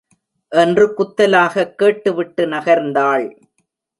என்று குத்தலாகக் கேட்டுவிட்டு நகர்ந்தாள்.